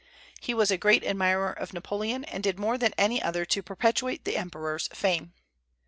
He was a great admirer of Napoleon, and did more than any other to perpetuate the Emperor's fame.